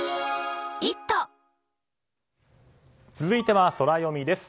続いてはソラよみです。